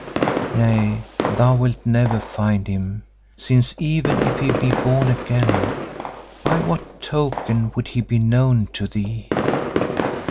Nay, thou wilt never find him, since even if he be born again, by what token would he be known to thee?